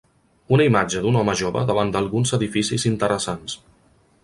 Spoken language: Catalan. Una imatge d'un home jove davant d'alguns edificis interessants.